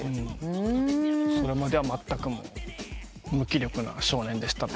それまではまったく無気力な少年でした。